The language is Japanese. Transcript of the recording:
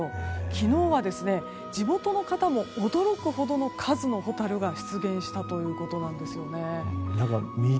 昨日は地元の方も驚くほどの数のホタルが出現したということなんですよね。